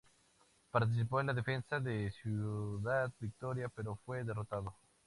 Participó en la defensa de Ciudad Victoria, pero fue derrotado.